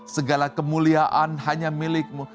segala kemuliaan hanya milikmu